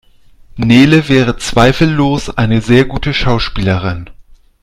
Nele wäre zweifellos eine sehr gute Schauspielerin.